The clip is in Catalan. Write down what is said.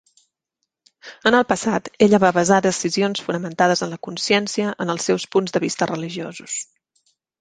En el passat, ella va basar decisions fonamentades en la consciència en els seus punts de vista religiosos.